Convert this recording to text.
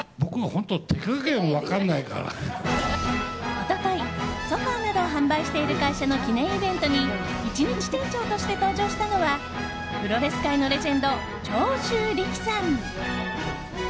一昨日、ソファなどを販売している会社の記念イベントに１日店長として登場したのはプロレス界のレジェンド長州力さん。